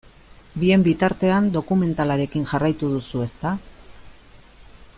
Bien bitartean dokumentalekin jarraitu duzu, ezta?